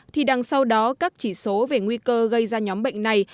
thì đằng sau đó các chỉ số về nguy cơ gây ra nhóm bệnh này